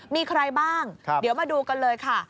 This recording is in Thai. มีใครบ้างเดี๋ยวมาดูกันเลยค่ะ